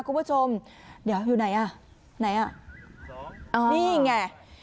คุณผู้ชมเดี๋ยวอยู่ไหนอ่ะไหนอ่ะนี่ไง